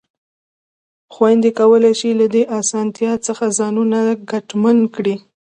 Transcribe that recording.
خویندې کولای شي له دې اسانتیا څخه ځانونه ګټمن کړي.